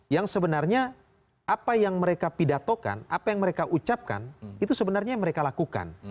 yang sebenarnya apa yang mereka pidatokan apa yang mereka ucapkan itu sebenarnya mereka lakukan